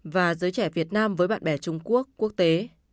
và giới trẻ việt nam với bạn bè trung quốc quốc tế